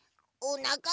おなか？